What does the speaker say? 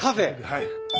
はい。